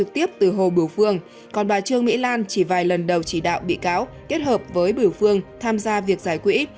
trương mỹ lan chỉ vài lần đầu chỉ đạo bị cáo kết hợp với biểu phương tham gia việc giải quỹ